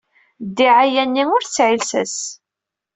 Ddiɛaya-nni ur tesɛi llsas.